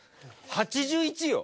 ８１よ？